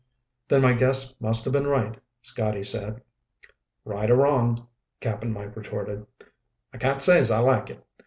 "Then my guess must have been right," Scotty said. "Right or wrong," Cap'n Mike retorted, "I can't say's I like it.